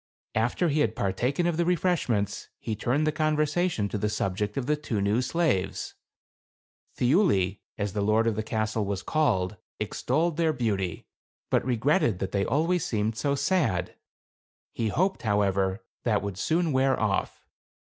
After he had partaken of the refreshments, he turned the conversation to the subject of the two new slaves. Thiuli (as the lord of the castle was called) extolled their beauty, but regretted that they always seemed so sad ; he hoped, however, that would soon wear off.